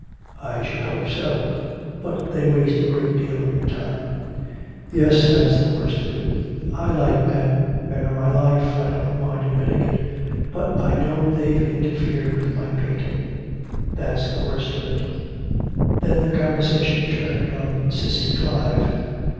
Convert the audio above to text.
'I should hope so. But they waste a great deal of your time.' 'Yes, that's the worst of it. I like men, men are my life, I don't mind admitting it. But I know they've interfered with my painting. That's the worst of it.' Then the conversation turned on Cissy Clive.